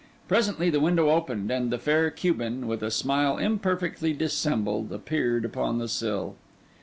Presently the window opened, and the fair Cuban, with a smile imperfectly dissembled, appeared upon the sill.